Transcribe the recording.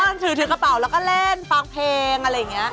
ถือถือกระเป๋าแล้วก็เล่นฟังเพลงอะไรอย่างนี้